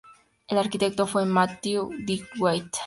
El arquitecto fue Matthew Digby Wyatt.